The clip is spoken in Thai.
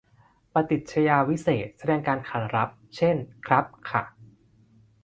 ประติชญาวิเศษณ์ แสดงการขานรับ เช่น ครับ ค่ะ